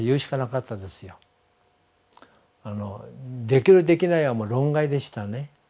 できるできないはもう論外でしたね。